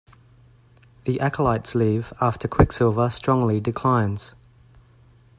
The Acolytes leave after Quicksilver strongly declines.